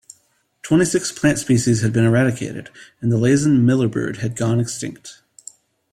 Twenty-six plant species had been eradicated, and the Laysan millerbird had gone extinct.